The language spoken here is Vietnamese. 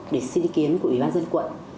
để xin ý kiến của ủy ban dân quận